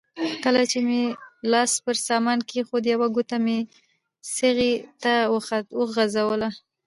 کله چې مې لاس پر سامان کېښود یوه ګوته مې څغۍ ته وغځوله.